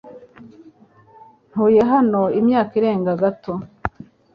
Ntuye hano imyaka irenga gato .